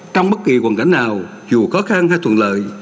trong bất kỳ hoàn cảnh nào dù khó khăn hay thuận lợi